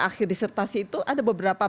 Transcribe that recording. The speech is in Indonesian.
akhir disertasi itu ada beberapa